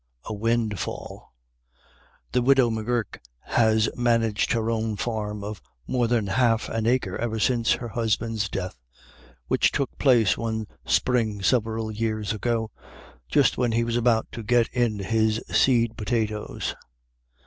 A WINDFALL. The widow M'Gurk has managed her own farm of more than half an acre ever since her husband's death, which took place one spring several years ago, just when he was about to get in his seed potatoes.